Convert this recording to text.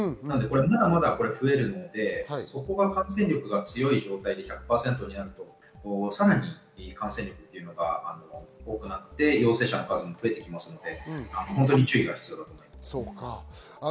まだ増えるので、感染力が強い状態で１００％になるとさらに感染力が多くなって陽性者の数も増えてきますので、注意が必要です。